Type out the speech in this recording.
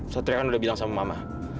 satria kan udah bilang sama mama